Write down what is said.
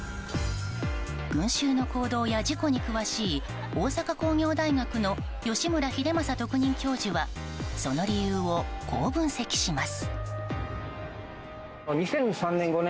群衆の行動や事故に詳しい大阪工業大学の吉村英祐特任教授はその理由を、こう分析します。